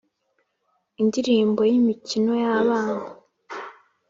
indirimbo n’imikino y’abana.